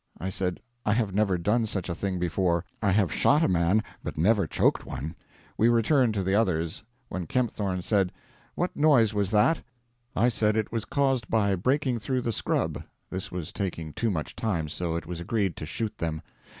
I said, 'I have never done such a thing before. I have shot a man, but never choked one.' We returned to the others, when Kempthorne said, 'What noise was that?' I said it was caused by breaking through the scrub. This was taking too much time, so it was agreed to shoot them.